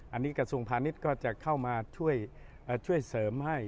อันนี้กระทรวงพาณิชย์ก็จะเข้ามาช่วยเสริมให้